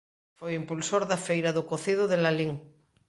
Foi impulsor da Feira do cocido de Lalín.